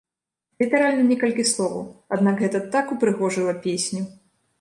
Літаральна некалькі словаў, аднак гэта так упрыгожыла песню!